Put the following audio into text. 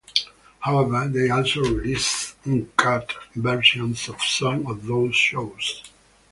However they also released uncut versions of some of those shows.